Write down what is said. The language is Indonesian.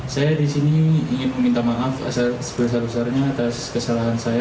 saya di sini ingin meminta maaf sebesar besarnya atas kesalahan saya